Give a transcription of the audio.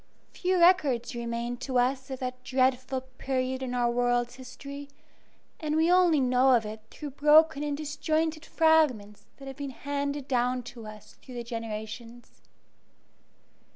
Few records remain to us of that dreadful period in our world's history, and we only know of it through broken and disjointed fragments that have been handed down to us through the generations.